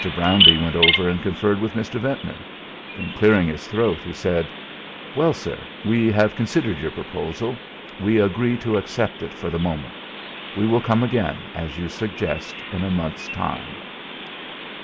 Brownbee went over and conferred with Mr. Ventnor, then clearing his throat, he said: "Well, sir, we have considered your proposal; we agree to accept it for the moment. We will come again, as you suggest, in a month's time.